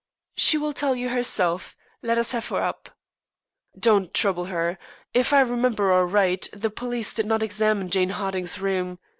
"She will tell you herself. Let us have her up." "Don't trouble her. If I remember aright the police did not examine Jane Harding's room.